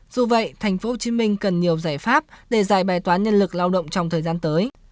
dù vậy tp hcm cần nhiều giải pháp để giải bài toán nhân lực lao động trong thời gian tới